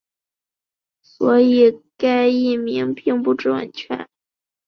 所以该译名并不准确。